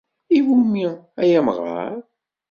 - I wumi, ay amɣar?